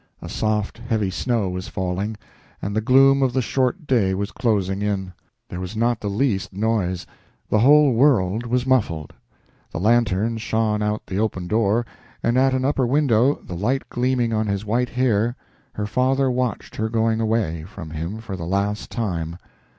A soft, heavy snow was falling, and the gloom of the short day was closing in. There was not the least noise, the whole world was muffled. The lanterns shone out the open door, and at an upper window, the light gleaming on his white hair, her father watched her going away from him for the last time.